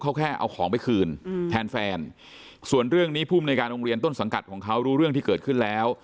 เขาแค่เอาของไปคืนแทนแฟนส่วนเรื่องนี้ภูมิในการโรงเรียนต้นสังกัดของเขารู้เรื่องที่เกิดขึ้นแล้ว